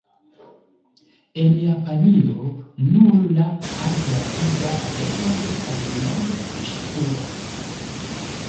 En Japanio nur la alt-rapida reto estas norm-ŝpura.